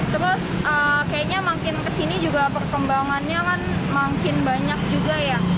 terus kayaknya makin kesini juga perkembangannya kan makin banyak juga ya